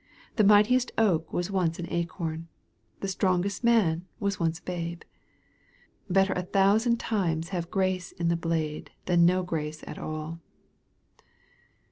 The Mightiest oak was once an acorn. The strongest man fvas once a babe. Better a 'thousand times have grace in the blade than no grace at all.